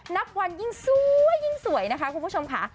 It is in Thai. นับวันยิ่งสวยยิ่งสวยนะคะคุณผู้ชมค่ะ